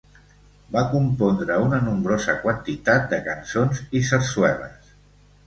Va compondre una nombrosa quantitat de cançons i sarsueles.